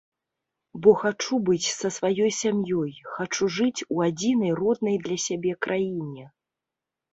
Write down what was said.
Бо хачу быць са сваёй сям'ёй, хачу жыць у адзінай роднай для сябе краіне.